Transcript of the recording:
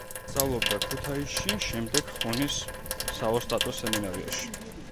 სწავლობდა ქუთაისში, შემდეგ ხონის საოსტატო სემინარიაში.